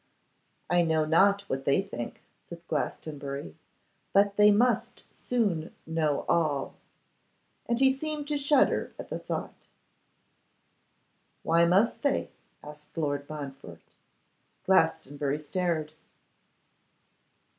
'I know not what they think,' said Glastonbury, 'but they must soon know all.' And he seemed to shudder at the thought. 'Why must they?' asked Lord Montfort. Glastonbury stared.